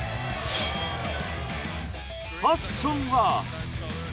ファッションは？